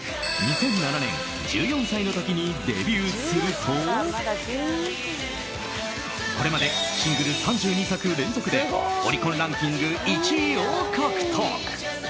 ２００７年１４歳の時にデビューするとこれまでシングル３２作連続でオリコンランキング１位を獲得。